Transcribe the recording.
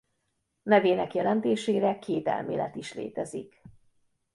Nevének jelentésére két elmélet is létezik.